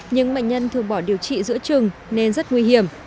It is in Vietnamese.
nhưng bệnh nhân thường bỏ điều trị giữa trừng nên rất nguy hiểm